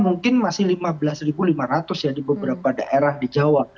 mungkin masih lima belas lima ratus ya di beberapa daerah di jawa